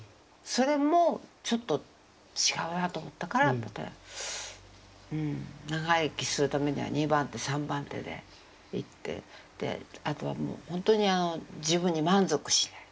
それもちょっと違うなと思ったからうん長生きするためには２番手３番手でいってであとはもうほんとにあの自分に満足しない。